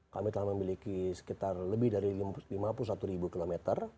kami telah memiliki sekitar lebih dari lima puluh satu km